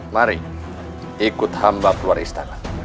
mari ikut hamba keluar istana